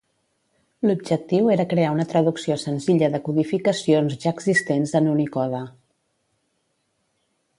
L'objectiu era crear una traducció senzilla de codificacions ja existents en Unicode.